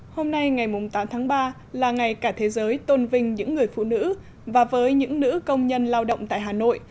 hôm nay ngày tám tháng ba là ngày cả thế giới tôn vinh những người phụ nữ và với những nữ công nhân lao động tại hà nội